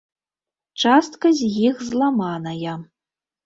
Частка з іх зламаная.